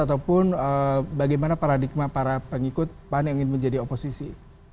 ataupun bagaimana paradigma para pengikut pan yang ingin menjadi oposisi